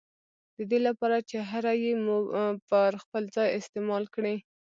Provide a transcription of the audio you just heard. ددې له پاره چي هره ي مو پر خپل ځای استعمال کړې